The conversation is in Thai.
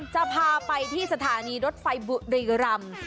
จะพาไปที่สถานีรถไฟบุรีรำ